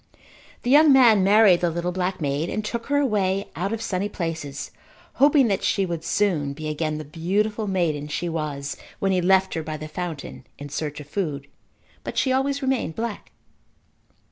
The young man married the little black maid and took her away out of sunny places hoping that she would soon be again the beautiful maiden she was when he left her by the fountain in search of food. But she always remained black.